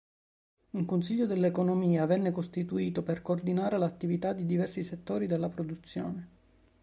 Un Consiglio dell'Economia venne costituito per coordinare l'attività dei diversi settori della produzione.